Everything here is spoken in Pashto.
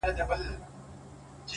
د يو مئين سړي ژړا چي څوک په زړه وچيچي!!